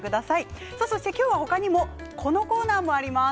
他にも、このコーナーもあります。